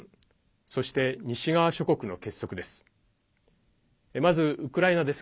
そして、西側諸国の結束です。